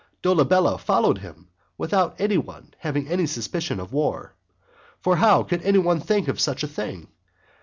Dolabella followed him, without any one having any suspicion of war. For how could any one think of such a thing?